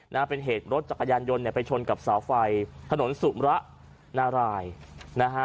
นะฮะเป็นเหตุรถจักรยานยนต์เนี่ยไปชนกับเสาไฟถนนสุมระนารายนะฮะ